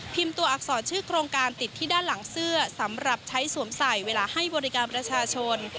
ตัวอักษรชื่อโครงการติดที่ด้านหลังเสื้อสำหรับใช้สวมใส่เวลาให้บริการประชาชน